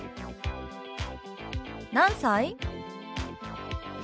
「何歳？」。